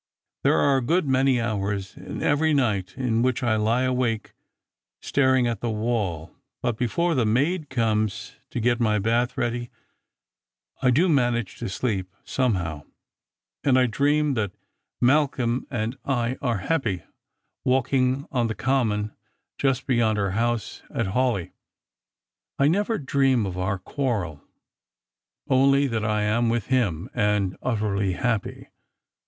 There are a good many hours in every night in which I lie awake stparir g at the wall ; but before the maid comes to get my bath ready, I do manage to sleep, somehow. And I dream that Malcolm and I are happy, walking on the common just beyond our house at Hawleigh. I never dream of our quarrel ; only that I am with him, and utterly happy.